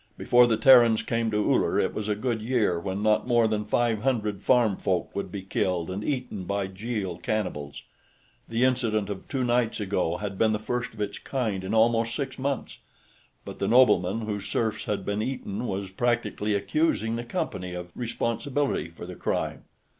Before the Terrans came to Uller, it was a good year when not more than five hundred farm folk would be killed and eaten by Jeel cannibals. The incident of two nights ago had been the first of its kind in almost six months, but the nobleman whose serfs had been eaten was practically accusing the Company of responsibility for the crime.